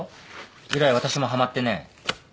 以来私もはまってね。